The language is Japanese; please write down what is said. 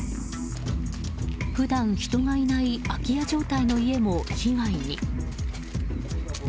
普段、人がいない空き家状態の家も被害に。